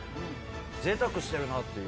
ぜいたくしてるなっていう。